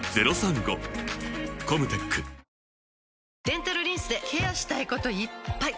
デンタルリンスでケアしたいこといっぱい！